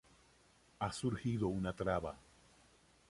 Ha surgido una traba.